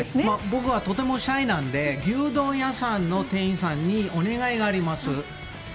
僕はとてもシャイなので牛丼屋さんの店員さんにお願いがあります。